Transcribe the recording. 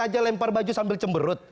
aja lempar baju sambil cemberut